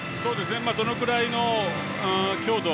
どのくらいの強度。